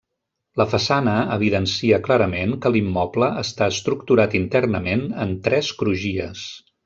La façana evidencia clarament que l'immoble està estructurat internament en tres crugies.